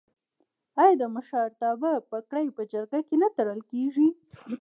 آیا د مشرتابه پګړۍ په جرګه کې نه تړل کیږي؟